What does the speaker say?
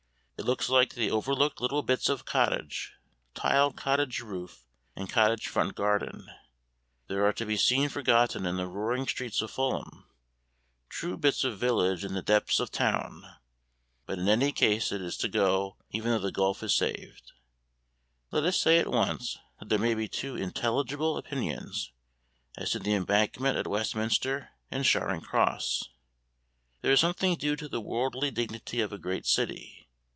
It looks like the overlooked little bits of cottage, tiled cottage roof, and cottage front garden, that are to be seen forgotten in the roaring streets of Fulham true bits of village in the depths of town. But in any case it is to go, even though the gulf is saved. Let us say at once that there may be two intelligible opinions as to the Embankment at Westminster and Charing Cross. There is something due to the worldly dignity of a great city.